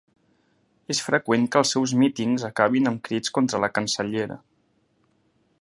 És freqüent que els seus mítings acabin amb crits contra la cancellera.